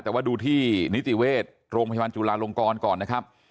แต่ว่าดูที่นิติเวชโรงพยาบาลจุลาลงกรก่อนนะครับ